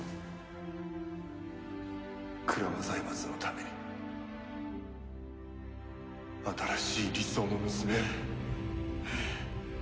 鞍馬財閥のために新しい理想の娘を！